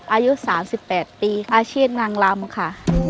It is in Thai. อายุ๓๘ปีอาชีพนางลำค่ะ